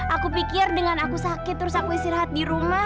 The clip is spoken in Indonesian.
aku pikir dengan aku sakit terus aku istirahat di rumah